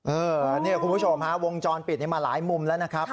เออนี่คุณผู้ชมครับวงจรปิดมาหลายมุมแล้วนะครับ